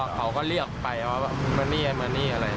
แล้วก็เขาก็เรียกไปว่าแบบมันนี่ไอมันนี่อะไร